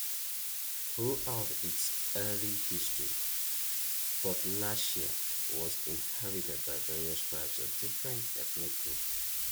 Throughout its early history, Podlachia was inhabited by various tribes of different ethnic roots.